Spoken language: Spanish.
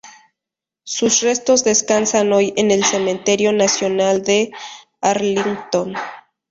Sus restos descansan hoy en el Cementerio Nacional de Arlington.